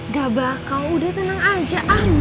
gak bakal udah tenang aja ah